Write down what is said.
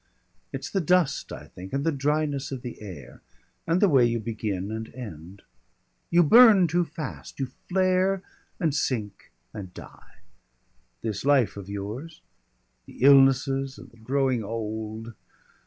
(It's the dust, I think, and the dryness of the air, and the way you begin and end.) You burn too fast, you flare and sink and die. This life of yours! the illnesses and the growing old!